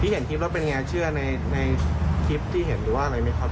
เห็นคลิปแล้วเป็นไงเชื่อในคลิปที่เห็นหรือว่าอะไรไหมครับ